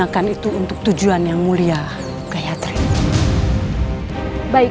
kalau buka ini di sini